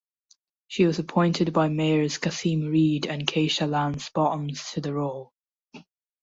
She was appointed by Mayors Kasim Reed and Keisha Lance Bottoms to the role.